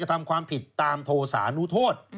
ทำความผิดตามโทษานุโทษ